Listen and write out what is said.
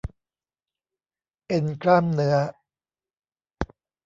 เอ็นกล้ามเนื้อ